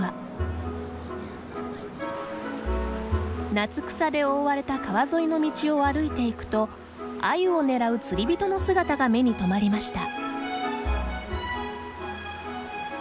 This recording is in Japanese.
夏草で覆われた川沿いの道を歩いていくとアユを狙う釣り人の姿が目に留まりました。